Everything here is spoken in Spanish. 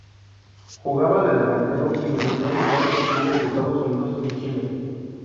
Jugaba de delantero y militó en diversos clubes de Estados Unidos y Chile.